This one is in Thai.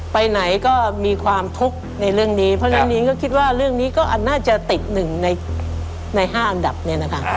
ไปไหนก็มีความทุกข์ในเรื่องนี้เพราะฉะนั้นนิ้งก็คิดว่าเรื่องนี้ก็น่าจะติดหนึ่งใน๕อันดับเนี่ยนะคะ